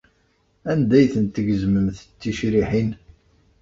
Anda ay tent-tgezmemt d ticriḥin?